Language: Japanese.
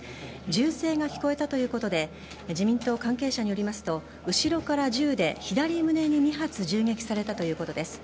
銃声が聞こえたということで自民党関係者によりますと後ろから銃で左胸に２発銃撃されたということです。